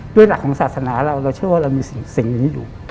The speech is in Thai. หลักของศาสนาเราเราเชื่อว่าเรามีสิ่งนี้อยู่